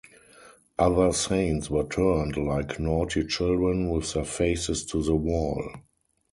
Other saints were turned, like naughty children, with their faces to the wall.